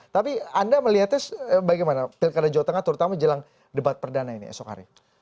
tapi anda melihatnya bagaimana pilkada jawa tengah terutama jelang debat perdana ini esok hari